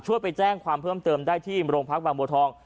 ไปแจ้งความเพิ่มเติมได้ที่โรงพักบางบัวทอง